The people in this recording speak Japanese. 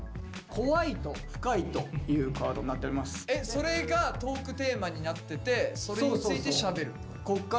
それがトークテーマになっててそれについてしゃべる？